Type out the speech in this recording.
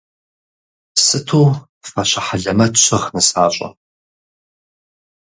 Сыту фащэ хьэлэмэт щыгъ нысащӏэм.